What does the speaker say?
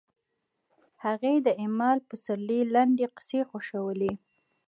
هغې د ایمل پسرلي لنډې کیسې خوښولې